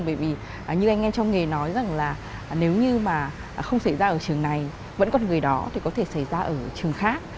bởi vì như anh nghe trong nghề nói rằng là nếu như mà không xảy ra ở trường này vẫn còn người đó thì có thể xảy ra ở trường khác